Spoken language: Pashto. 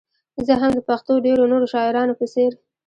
زه هم د پښتو ډېرو نورو شاعرانو په څېر.